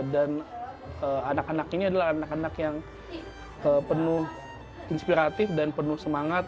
dan anak anak ini adalah anak anak yang penuh inspiratif dan penuh semangat